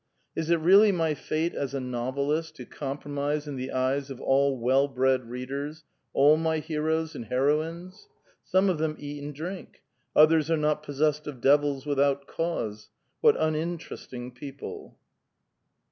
Is it really my fate as a novelist, to compromise in the eyes of all well bred readers, all my heroes and heroines? Some of them eat and drink ; others are not possessed of devils with out cause ; what uninteresting people